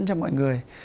cho mọi người